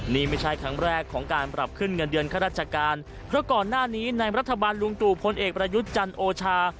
นี่ไม่ใช่ครั้งแรกของการปรับขึ้นเงินเดือนข้าราชการเพราะก่อนหน้านี้ในรัฐบาลลุงตู่พลเอกประยุทธ์จันทร์โอชา